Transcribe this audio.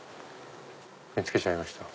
見つけちゃいました。